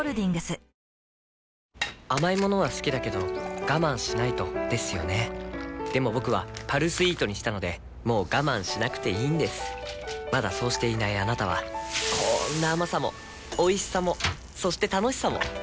しかし今日そして！三代目感動のスペシャルライブ甘い物は好きだけど我慢しないとですよねでも僕は「パルスイート」にしたのでもう我慢しなくていいんですまだそうしていないあなたはこんな甘さもおいしさもそして楽しさもあちっ。